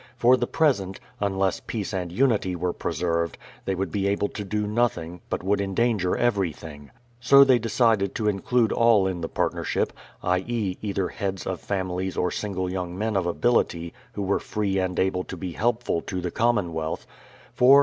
For the present, unless peace and unity were preserved, they would be able to do nothing, but would endanger everything. So they decided to include all in the partnership — i. e. either heads of families or single young men of ability who were free and able to be helpful to the commonwealth; for, first